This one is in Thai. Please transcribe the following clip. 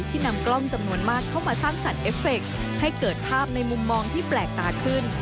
นำกล้องจำนวนมากเข้ามาสร้างสรรคเอฟเฟคให้เกิดภาพในมุมมองที่แปลกตาขึ้น